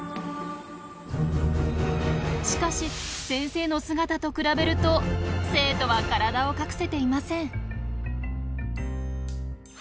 しかし先生の姿と比べると生徒は体を隠せていません。